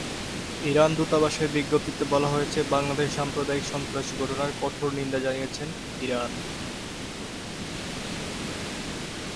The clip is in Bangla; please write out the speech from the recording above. ইরান দূতাবাসের বিজ্ঞপ্তিতে বলা হয়েছে, বাংলাদেশে সাম্প্রতিক সন্ত্রাসী ঘটনার কঠোর নিন্দা জানিয়েছে ইরান।